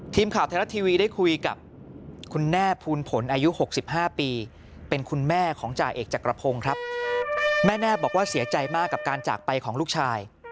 ทีมข่าวไทยรัฐทีวีได้คุยกับคุณแม่ภูลผลอายุ๖๕ปีเป็นคุณแม่ของจ่าเอกจักรพงศ์ครับแม่แน่บอกว่าเสียใจมากกับการจากไปของลูกชาย